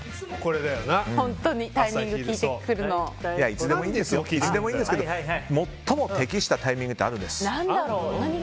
いつでもいいんですけど最も適したタイミングってあるんです。